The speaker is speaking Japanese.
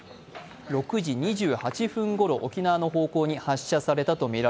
６時２８分ごろ、沖縄の方向に発射されたという